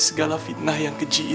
segala fitnah yang kejii